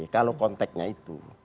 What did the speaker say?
kalau konteknya itu